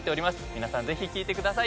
皆さんぜひ聴いてください。